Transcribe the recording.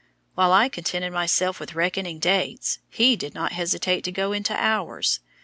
While I contented myself with reckoning dates, he did not hesitate to go into hours.